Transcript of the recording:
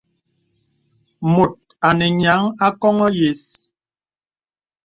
Mùt anə nyìa àkoŋɔ̄ yə̀s.